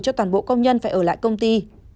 cho toàn bộ công nhân phải ở lại công ty